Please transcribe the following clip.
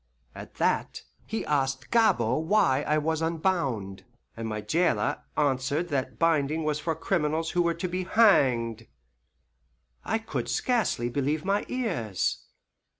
At that he asked Gabord why I was unbound, and my jailer answered that binding was for criminals who were to be HANGED! I could scarcely believe my ears.